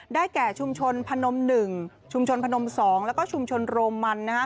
ได้แก่ชุมชนพนมหนึ่งชุมชนพนมสองแล้วก็ชุมชนโรมัน